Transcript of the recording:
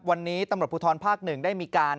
วันนี้ตำรวจภูทรภาค๑ได้มีการ